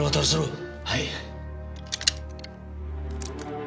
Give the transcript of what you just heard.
はい。